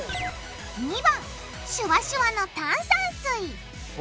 ２番シュワシュワの炭酸水。